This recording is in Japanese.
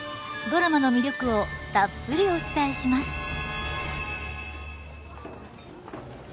ドラマの魅力をたっぷりお伝えします。